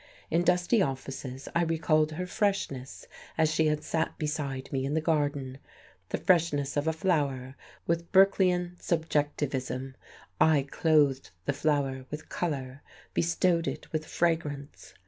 In dusty offices I recalled her freshness as she had sat beside me in the garden, the freshness of a flower; with Berkeleyan subjectivism I clothed the flower with colour, bestowed it with fragrance.